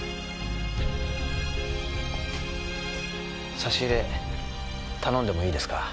差し入れ頼んでもいいですか？